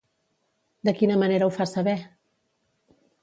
De quina manera ho fa saber?